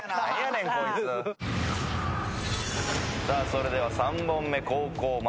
それでは３本目。